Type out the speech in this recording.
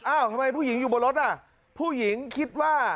ทำไมผู้หญิงอยู่บนรถอ่ะผู้หญิงคิดว่า